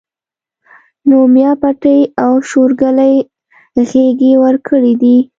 نو ميا پټي او شورګلې غېږې ورکړي دي